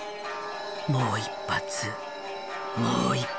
もう一発もう一発。